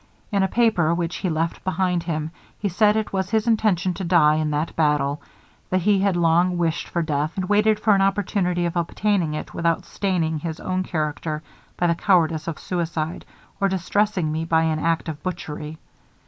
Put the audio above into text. In a paper which he left behind him, he said it was his intention to die in that battle; that he had long wished for death, and waited for an opportunity of obtaining it without staining his own character by the cowardice of suicide, or distressing me by an act of butchery.